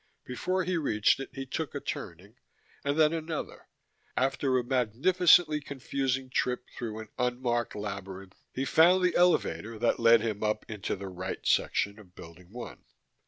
Before he reached it he took a turning, and then another: after a magnificently confusing trip through an unmarked labyrinth, he found the elevator that led him up into the right section of Building One.